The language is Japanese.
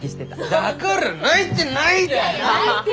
だから泣いてないって！